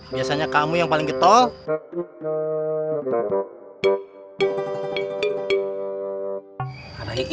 biasanya kamu yang paling getol